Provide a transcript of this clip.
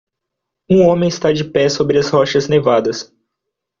Um homem está de pé sobre as rochas nevadas.